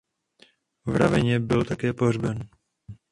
V Ravenně byl také pohřben.